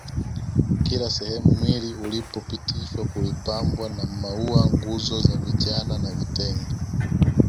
Kila sehemu mwili ulipopitishwa kulipambwa na maua nguo za vijana na vitenge